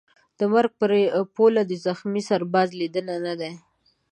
د مرګ پر پوله دي زخمي سرباز لیدلی نه دی